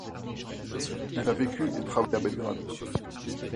Elle a vécu et travaillé à Belgrade.